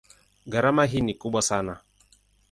Gharama ni kubwa sana.